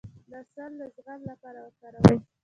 د عسل د زخم لپاره وکاروئ